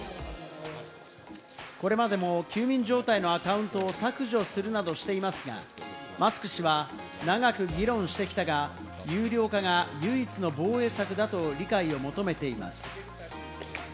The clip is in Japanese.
これまでも休眠状態のアカウントを削除するなどしていますが、マスク氏は、長く議論してきたが、有料化が唯一の防衛策だと理解を求めています。